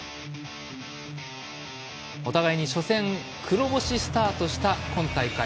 お互いに初戦、黒星スタートした今大会。